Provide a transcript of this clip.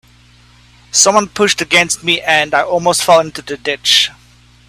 Somebody pushed against me, and I almost fell into the ditch.